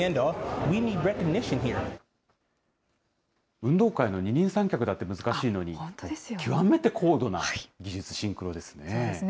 運動会の二人三脚だって難しいのに、極めて高度な技術、シンそうですね。